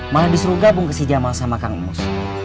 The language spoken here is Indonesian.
malah disuruh gabung ke si jamal sama kamus